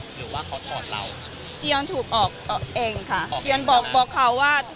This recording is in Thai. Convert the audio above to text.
หรือว่าเขาถอดเราเจียนถูกออกเองค่ะเจียนบอกบอกเขาว่า